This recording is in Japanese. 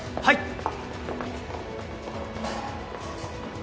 はい。